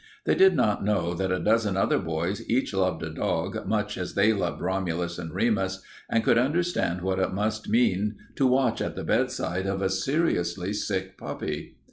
They did not know that a dozen other boys each loved a dog much as they loved Romulus and Remus and could understand what it must mean to watch at the bedside of a seriously sick puppy.